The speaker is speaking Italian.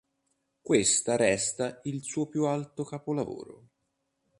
Questa resta il suo più alto capolavoro.